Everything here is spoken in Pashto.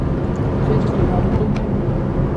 چیرې چې ناروغي نه وي.